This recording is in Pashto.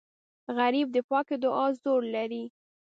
غریب د پاکې دعا زور لري